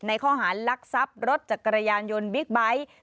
ข้อหารลักทรัพย์รถจักรยานยนต์บิ๊กไบท์